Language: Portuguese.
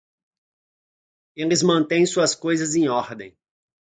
Eles mantêm suas coisas em ordem.